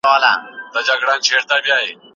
ایا مسواک د غاښونو د سپینوالي لپاره ښه دی؟